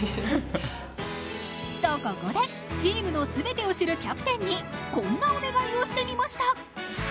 と、ここでチームの全てを知るキャブ暗にキャプテンに、こんなお願いをしてみました。